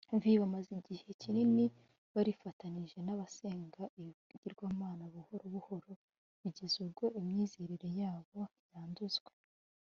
viii. . Bamaze igihe kinini barifatanije n’abasenga ibigirwamana, buhoro buhoro bigeza ubwo imyizerere yabo yanduzwa